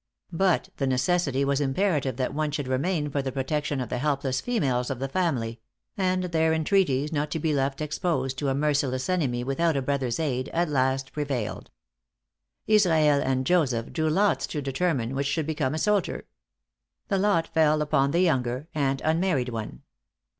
But the necessity was imperative that one should remain for the protection of the helpless females of the family; and their entreaties not to be left exposed to a merciless enemy without a brother's aid, at last prevailed. Israel and Joseph drew lots to determine which should become a soldier. The lot fell upon the younger and unmarried one.